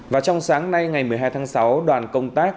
và trong sáng nay ngày một mươi hai tháng sáu đoàn công tác